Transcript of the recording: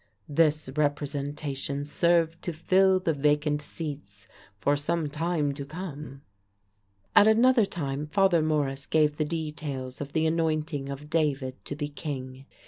This representation served to fill the vacant seats for some time to come. At another time Father Morris gave the details of the anointing of David to be king.